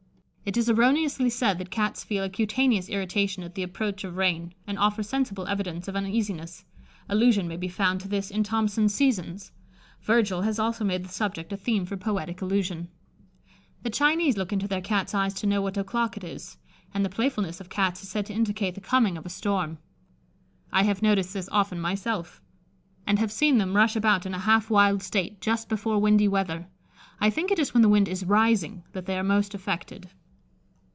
It is erroneously said that Cats feel a cutaneous irritation at the approach of rain, and offer sensible evidence of uneasiness: allusion may be found to this in "Thomson's Seasons." Virgil has also made the subject a theme for poetic allusion. The Chinese look into their Cat's eyes to know what o'clock it is; and the playfulness of Cats is said to indicate the coming of a storm. I have noticed this often myself, and have seen them rush about in a half wild state just before windy weather. I think it is when the wind is rising that they are most affected.